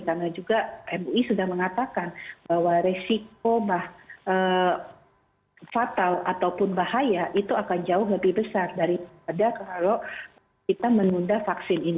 karena juga mui sudah mengatakan bahwa resiko fatal ataupun bahaya itu akan jauh lebih besar daripada kalau kita menunda vaksin